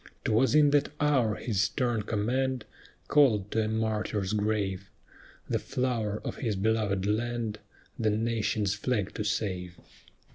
'Twas in that hour his stern command Called to a martyr's grave The flower of his belovèd land, The nation's flag to save.